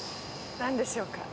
何でしょう？